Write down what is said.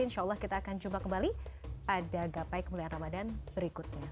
insya allah kita akan jumpa kembali pada gapai kemuliaan ramadhan berikutnya